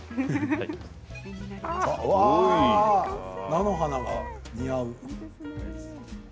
菜の花が似合う。